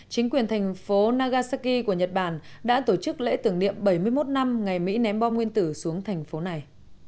chính quyền thành phố nagasaki của nhật bản đã tổ chức lễ tưởng niệm bảy mươi một năm ngày mỹ ném bom nguyên tử xuống thành phố này